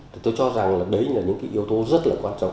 tôi cho rằng là đấy là những yếu tố rất là quan trọng